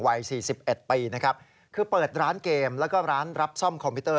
วัย๔๑ปีคือเปิดร้านเกมและร้านรับซ่อมคอมพิวเตอร์